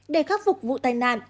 để khắc phục vụ tai nạn